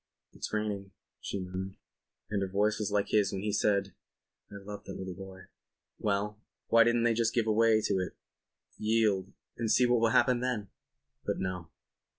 "It's raining," she murmured. And her voice was like his when he had said: "I love that little boy." Well. Why didn't they just give way to it—yield—and see what will happen then? But no.